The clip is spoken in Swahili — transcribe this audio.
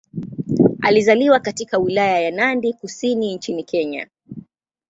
Alizaliwa katika Wilaya ya Nandi Kusini nchini Kenya.